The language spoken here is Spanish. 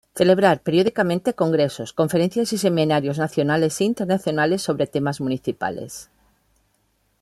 Celebrar periódicamente congresos, conferencias y seminarios nacionales e internacionales sobre temas municipales.